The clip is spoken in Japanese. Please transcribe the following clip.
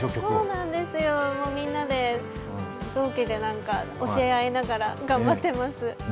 そうなんですよ、みんなで同期で教え合いながら頑張っています。